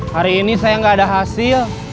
hari ini saya nggak ada hasil